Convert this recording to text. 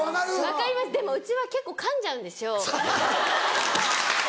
分かりますでもうちは結構かんじゃうんですよ。